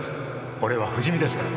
俺は不死身ですから。